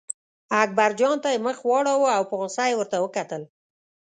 اکبرجان ته یې مخ واړاوه او په غوسه یې ورته وکتل.